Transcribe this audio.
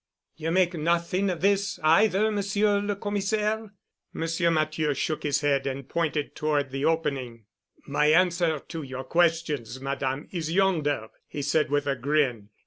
You make nothing of this, either, Monsieur le Commissaire?" Monsieur Matthieu shook his head and pointed toward the opening. "My answer to your questions, Madame, is yonder," he said with a grin.